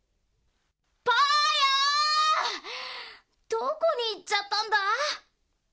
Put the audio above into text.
どこにいっちゃったんだ？